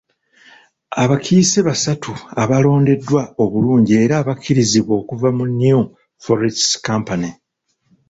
Abakiise basatu abalondeddwa obulungi era abakkirizibwa okuva mu New Forests Company.